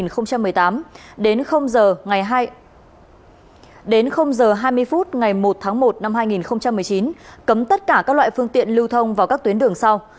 từ hai mươi h ngày ba mươi một tháng một mươi hai năm hai nghìn một mươi tám đến h ngày hai đến h hai mươi phút ngày một tháng một năm hai nghìn một mươi chín cấm tất cả các loại phương tiện lưu thông vào các tuyến đường sau